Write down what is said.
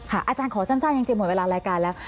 ค่ะอาจารย์ขอสั้นยังจะหมดเวลารายการแล้ว